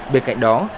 bên cạnh đó